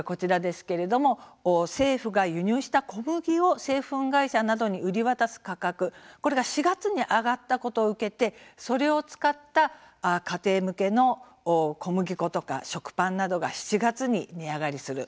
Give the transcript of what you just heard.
政府が輸入した小麦を製粉会社などに売り渡す価格これが４月に上がったことを受けてそれを使った家庭向けの小麦粉とか食パンなどが７月に値上がりする。